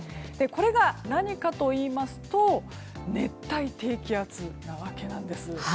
これが何かといいますと熱帯低気圧なわけなんです。